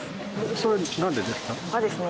それなんでですか？